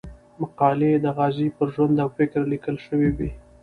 مقالې د غازي پر ژوند او فکر ليکل شوې وې.